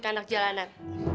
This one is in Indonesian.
ke anak jalanan